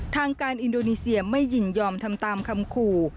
ทางการอินโดนีเซียไม่ยินยอมทำตามคำขู่